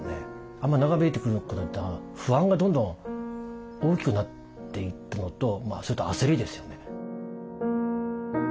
あんまり長引いてくることって不安がどんどん大きくなっていったのとそれと焦りですよね。